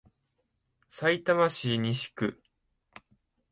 さいたま市西区